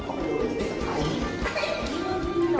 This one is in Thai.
ใครหรอ